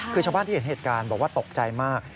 คือชาวบ้านที่เห็นเหตุการณ์บอกว่าตกใจมาก